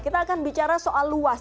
kita akan bicara soal luas